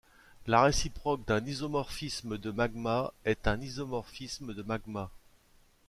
La réciproque d'un isomorphisme de magmas est un isomorphisme de magmas.